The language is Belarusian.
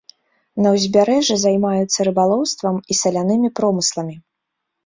На ўзбярэжжы займаюцца рыбалоўствам і салянымі промысламі.